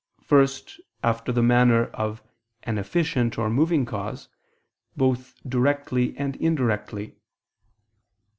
First, after the manner of an efficient or moving cause, both directly and indirectly.